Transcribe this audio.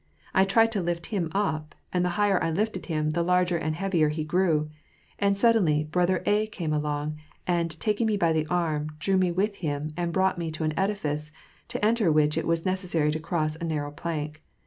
I tried to lift him up, and the higher I lifted him, the larger and heavier he grew. And suddenly, BrotlNir A came along, and, taking me by the arm, drew me with him, and brought me to an edifice, to enter which it was necessary to cross a narrow plank.